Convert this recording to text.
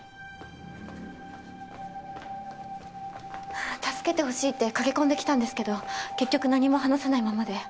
はぁ助けてほしいって駆け込んできたんですけど結局何も話さないままで。